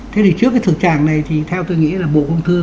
thế thì trước cái thực trạng này thì theo tôi nghĩ là bộ công thương